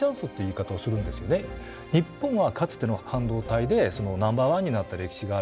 日本はかつての半導体でナンバーワンになった歴史がある。